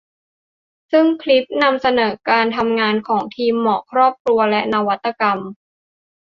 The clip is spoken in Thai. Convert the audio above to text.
ซึ่งคลิปนำเสนอการทำงานของทีมหมอครอบครัวและนวัตกรรม